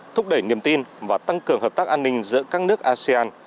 thúc đẩy niềm tin và tăng cường hợp tác an ninh giữa các nước asean